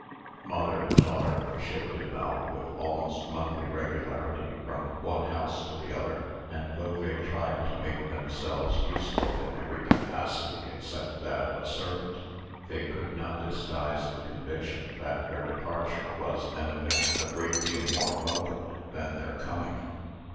Mother and daughter were shifted about with almost monthly regularity from one house to the other; and, though they tried to make themselves useful in every capacity except that of a servant, they could not disguise the conviction that their departure was an event a great deal more welcome than their coming.